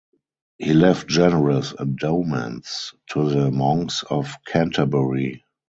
He left generous endowments to the monks of Canterbury.